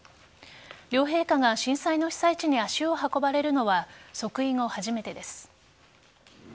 両陛下が震災の被災地に足を運ばれるのは即位後初めてです。